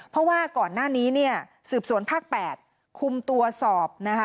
เพราะว่าก่อนหน้านี้สืบสวนภาค๘คุมตัวสอบ